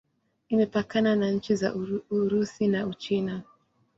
Imepakana na nchi za Urusi na Uchina.